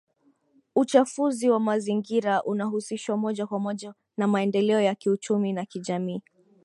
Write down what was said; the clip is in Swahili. Uchafuzi wa mazingira unahusishwa moja kwa moja na maendeleo ya kiuchumi na kijamii